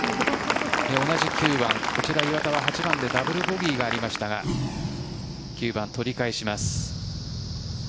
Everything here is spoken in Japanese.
同じ９番、岩田は８番でダブルボギーがありましたが９番、取り返します。